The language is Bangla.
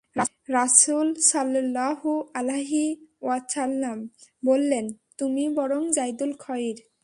রাসূল সাল্লাল্লাহু আলাইহি ওয়াসাল্লাম বললেন, বরং তুমি যাইদুল খাইর।